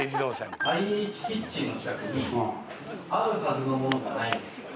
ＩＨキッチンの近くにあるはずのものがないんですよ。